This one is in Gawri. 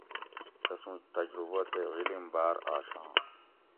تسوں تجربہ تے علم باۤر آشاں